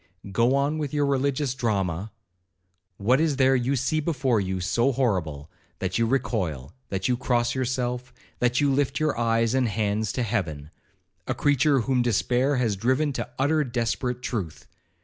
Go on with your religious drama. What is there you see before you so horrible, that you recoil, that you cross yourself, that you lift your eyes and hands to heaven?—a creature whom despair has driven to utter desperate truth!